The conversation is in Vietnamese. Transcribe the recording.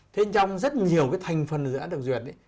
thế trong rất nhiều cái thành phần dự án được duyệt